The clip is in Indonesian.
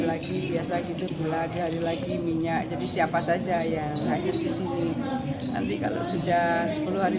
lagi biasa gitu gula dari lagi minyak jadi siapa saja yang akhir disini nanti kalau sudah sepuluh hari